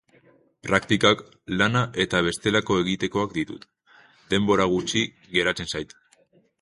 Praktikak, lana eta bestelako egitekoak ditut, denbora gutxi geratzen zait.